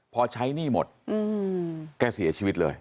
พอใช้หนี้หมดแกเสียชีวิตเลย